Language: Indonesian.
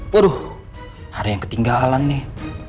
waduh ada yang ketinggalan nih